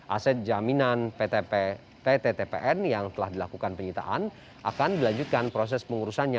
aset jaminan pt tpn yang telah dilakukan penyitaan akan dilanjutkan proses pengurusannya